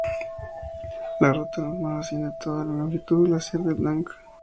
La ruta normal asciende toda la longitud del glaciar Blanc.